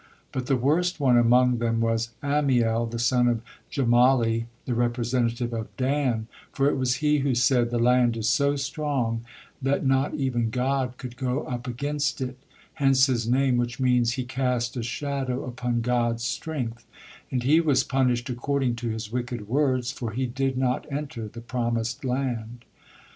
But the worst one among them was Ammiel, the son of Gemalli, the representative of Dan, for it was he who said, "The land is so strong that not even God could go up against it," hence his name, which means, "He cast a shadow upon God's strength," and he was punished according to his wicked words, for he did not enter the promised land.